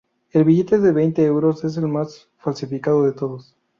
El billete de veinte euros es el más falsificado de todos.